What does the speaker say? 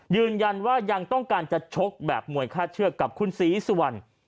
ยืนยันว่ายังต้องการจะชกแบบมวยฆ่าเชือกกับคุณศรีสุวรรณ